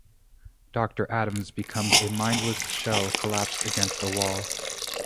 Doctor Adams becomes a mindless shell collapsed against a wall.